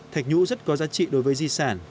thạch nhũ rất có giá trị đối với di sản